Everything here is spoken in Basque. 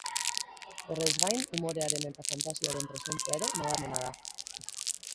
Horrez gain, umorearen eta fantasiaren presentzia ere nabarmena da.